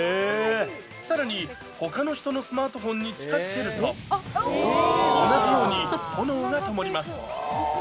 さらに、ほかの人のスマートフォンに近づけると、同じように炎がともります。